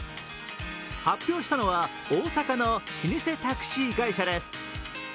発表したのは、大阪の老舗タクシー会社です。